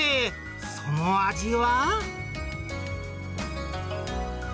その味は？